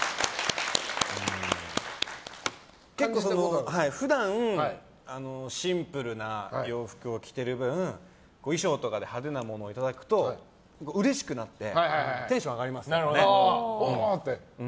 結構普段、シンプルな洋服を着てる分衣装とかで派手なものをいただくとうれしくなってテンション上がりますよね。